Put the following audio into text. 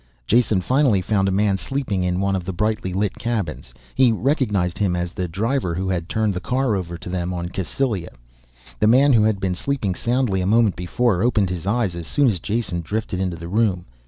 Jason finally found a man sleeping in one of the brightly lit cabins. He recognized him as the driver who had turned the car over to them on Cassylia. The man, who had been sleeping soundly a moment before, opened his eyes as soon as Jason drifted into the room.